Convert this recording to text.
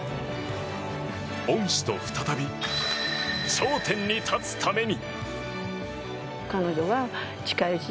恩師と再び頂点に立つために。